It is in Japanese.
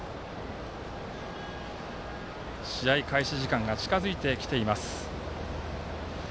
試合開始時間が近づいてきています。